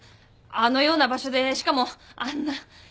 あのような場所でしかもあんな変な格好で。